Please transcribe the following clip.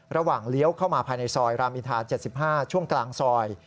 เลี้ยวเข้ามาภายในซอยรามอินทา๗๕ช่วงกลางซอย